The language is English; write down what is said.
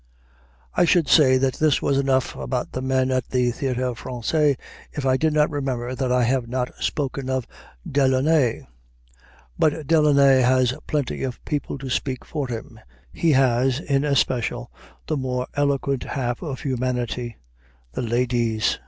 I should say that this was enough about the men at the Théâtre Français, if I did not remember that I have not spoken of Delaunay. But Delaunay has plenty of people to speak for him; he has, in especial, the more eloquent half of humanity the ladies.